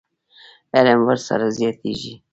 علم ورسره زیاتېږي.